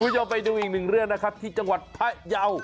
คุณผู้ชมไปดูอีกหนึ่งเรื่องนะครับที่จังหวัดพระเยา